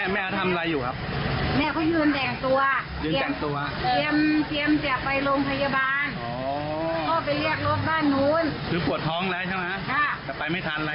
แม่ของผู้หญิงที่คลอดลูกหน่อย